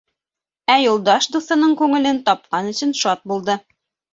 Ә Юлдаш дуҫының күңелен тапҡан өсөн шат булды.